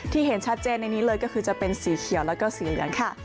เห็นชัดเจนในนี้เลยก็คือจะเป็นสีเขียวแล้วก็สีเหลืองค่ะ